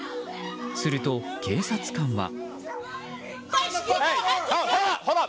すると、警察官は。